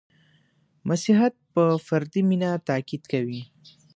• مسیحیت په فردي مینه تأکید کوي.